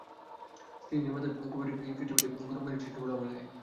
তিন দিনের মাথায় কফির কেটলি ফেটে গরম পানি ছিটকে পড়ল আমার গায়ে।